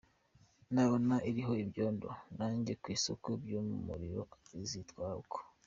Nabona iriho ibyondo, najya ku isoko ry’umurimo azitwara uko.